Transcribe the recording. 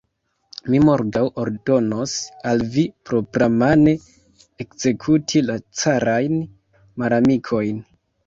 Mi morgaŭ ordonos al vi propramane ekzekuti la carajn malamikojn.